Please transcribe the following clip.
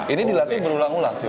ini dilatih berulang ulang sih